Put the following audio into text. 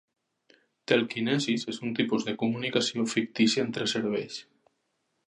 Telkinesis és un tipus de comunicació fictícia entre cervells.